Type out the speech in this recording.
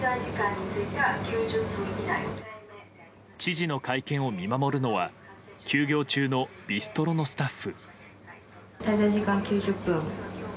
知事の会見を見守るのは休業中のビストロのスタッフ。